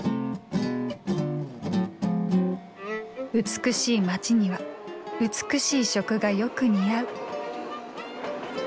美しい街には美しい食がよく似合う。